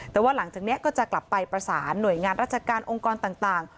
แต่ว่าหลังจากนี้ก็จะกลับไปประสานหน่วยงานราชการองค์กรต่าง